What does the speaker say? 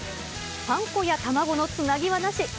パン粉や卵のつなぎはなし。